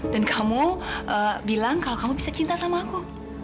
dan kamu bilang kalau kamu bisa cinta sama aku